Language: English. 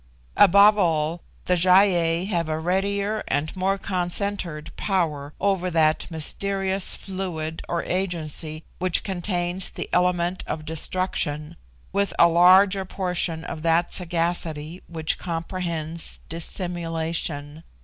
Above all, the Gy ei have a readier and more concentred power over that mysterious fluid or agency which contains the element of destruction, with a larger portion of that sagacity which comprehends dissimulation.